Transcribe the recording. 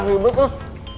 nah ribet tuh